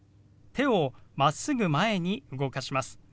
手をまっすぐ前に動かします。